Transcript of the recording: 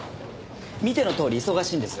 見てのとおり忙しいんです。